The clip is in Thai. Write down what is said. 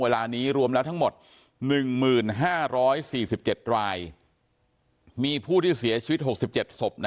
เวลานี้รวมแล้วทั้งหมด๑๕๔๗รายมีผู้ที่เสียชีวิต๖๗ศพ